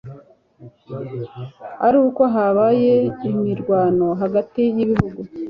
aruko habaye imirwano hagati y ibihugu